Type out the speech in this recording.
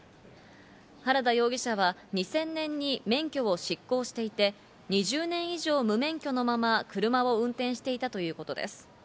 原田容疑者は２０００年に免許を失効していて、２０年以上無免許のまま車を運転していたということです。